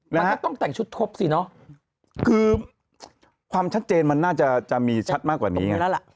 มันก็ต้องแต่งชุดทบสิเนอะคือความชัดเจนมันน่าจะมีชัดมากกว่านี้ไง